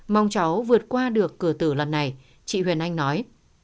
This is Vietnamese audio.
mong cháu vượt qua được cửa tử lần này chị huyền anh nói